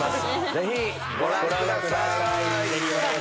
ぜひ！ご覧ください。